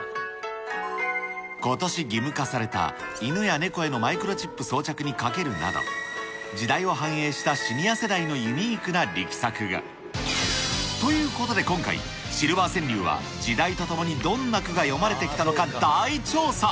ことし義務化された、犬や猫へのマイクロチップ装着にかけるなど、時代を反映したシニア世代のユニークな力作が。ということで今回、シルバー川柳は、時代とともにどんな句が詠まれてきたのか大調査。